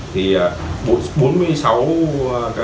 thì bốn mươi sáu giấy phép xây dựng